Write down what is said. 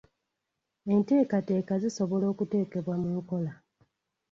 Enteekateeka zisobola okuteekebwa mu nkola.